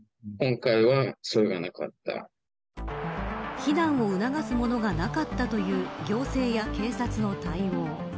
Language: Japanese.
避難を促すものがなかったという行政や警察の対応。